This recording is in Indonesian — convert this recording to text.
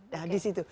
nah di situ